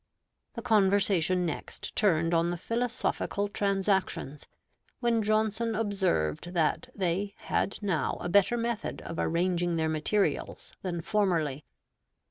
The conversation next turned on the Philosophical Transactions, when Johnson observed that they had now a better method of arranging their materials than formerly.